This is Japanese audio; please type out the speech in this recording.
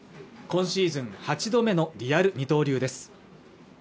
今シーズン８度目のリアル二刀流です